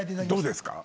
どうですか？